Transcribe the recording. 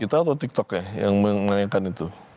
kita atau tiktok ya yang menanyakan itu